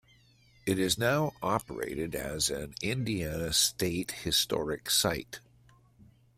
It is now operated as an Indiana State Historic Site.